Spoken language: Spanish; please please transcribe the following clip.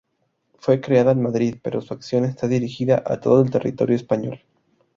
Fue creada en Madrid, pero su acción está dirigida a todo el territorio español.